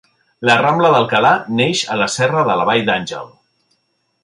La rambla d'Alcalà neix a la serra de la Vall d'Àngel.